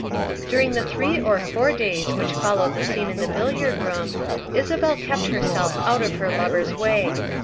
During the three or four days which followed the scene in the billiard room Isabel kept herself out of her lover's way.